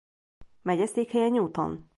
Megyeszékhelye Newton.